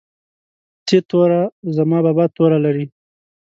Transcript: ت توره زما بابا توره لري